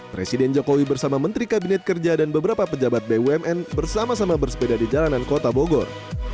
presiden jokowi bersama menteri kabinet kerja dan beberapa pejabat bumn bersama sama bersepeda di jalanan kota bogor